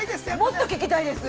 ◆もっと聞きたいです。